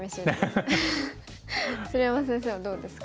鶴山先生はどうですか？